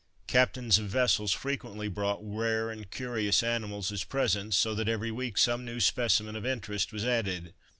Captains of vessels frequently brought rare and curious animals as presents, so that every week some new specimen of interest was added.